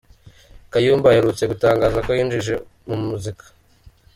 Kayumba aherutse gutangaza ko yinjiye mu muziki.